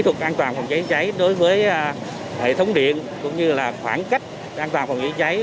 kỹ thuật an toàn phòng chế cháy đối với hệ thống điện cũng như là khoảng cách an toàn phòng chế cháy